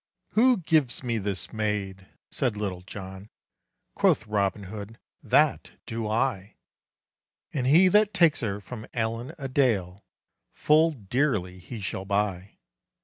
"Who gives me this maid?" said Little John, Quoth Robin Hood, "That do I; And he that takes her from Allen a Dale, Full dearly he shall buy."